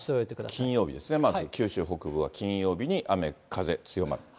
金曜日ですね、まず九州北部は金曜日に雨、風強まる。